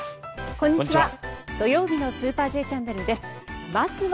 こんにちは。